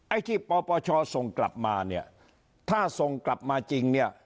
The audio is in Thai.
ไอ้ที่ปปชส่งกลับมาเนี่ยถ้าส่งกลับมาจริงเนี่ย